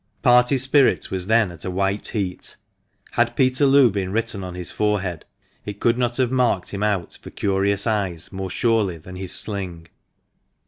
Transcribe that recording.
Party spirit was then at a white heat. Had Peterloo been written on his forehead it could not have marked him out for curious eyes more surely than his sling.